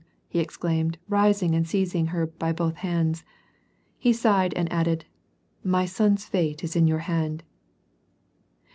" he exclaimed, rising and seiz ing her by both hands. He sighed, and added, " my son's fate is in your hands.